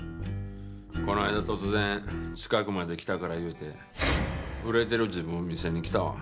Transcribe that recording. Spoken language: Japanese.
この間突然「近くまで来たから」言うて売れてる自分を見せに来たわ。